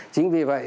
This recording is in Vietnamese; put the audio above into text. chính vì vậy